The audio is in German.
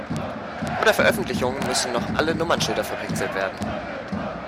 Vor der Veröffentlichung müssen noch alle Nummernschilder verpixelt werden.